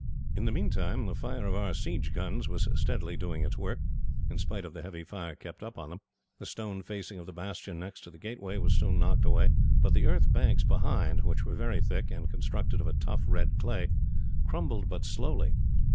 In the meantime, the fire of our siege guns was steadily doing its work, in spite of the heavy fire kept up on them. The stone facing of the bastion next to the gateway was soon knocked away, but the earth banks behind, which were very thick and constructed of a tough red clay, crumbled but slowly.